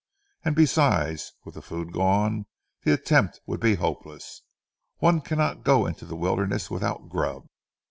And besides, with the food gone the attempt would be hopeless. One cannot go into the wilderness without grub."